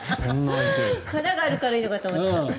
殻があるからいいのかと思った。